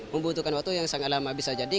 membutuhkan waktu yang sangat lama bisa jadi